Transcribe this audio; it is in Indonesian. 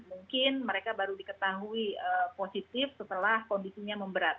mungkin mereka baru diketahui positif setelah kondisinya memberat